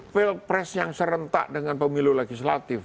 pilpres yang serentak dengan pemilu legislatif